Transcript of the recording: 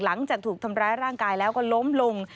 หลังจากถูกทำร้ายร่างกายแล้วก็ล้มลง